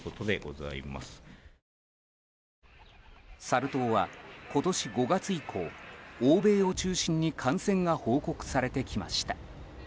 サル痘は今年５月以降欧米を中心に感染が報告されてきました。